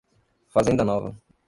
Fazenda Nova